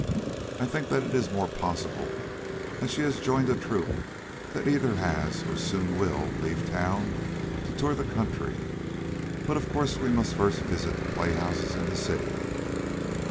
"I think that it is more possible that she has joined a troupe that either has or soon will leave town to tour the country, but of course we must first visit the playhouses in the city.